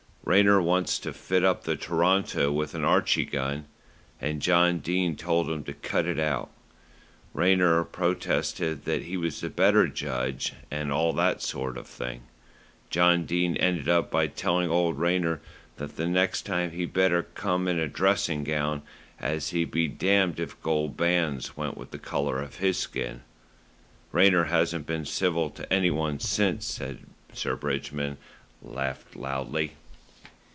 "Rayner wanted to fit up the Toronto with an Archie gun, and John Dene told him to cut it out. Rayner protested that he was the better judge and all that sort of thing. John Dene ended by telling poor old Rayner that next time he'd better come in a dressing gown, as he'd be damned if gold bands went with the colour of his skin. Rayner hasn't been civil to anyone since;" and Sir Bridgman laughed loudly.